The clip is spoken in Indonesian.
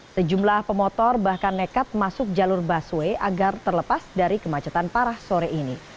sejumlah pemotor bahkan nekat masuk jalur busway agar terlepas dari kemacetan parah sore ini